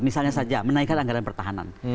misalnya saja menaikkan anggaran pertahanan